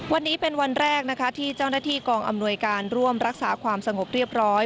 วันนี้เป็นวันแรกนะคะที่เจ้าหน้าที่กองอำนวยการร่วมรักษาความสงบเรียบร้อย